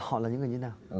họ là những người như thế nào